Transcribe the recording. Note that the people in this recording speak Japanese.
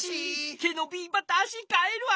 「けのびばた足かえる足」